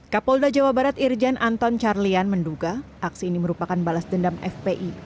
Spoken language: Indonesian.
kapolda jawa barat irjen anton carlian menduga aksi ini merupakan balas dendam fpi